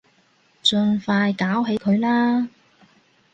盡快搞起佢啦